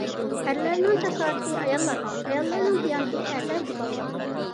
ئەرلەرنىڭ جاسارىتى ئاياللارغا، ئاياللارنىڭ دىيانىتى ئەرلەرگە باغلىق.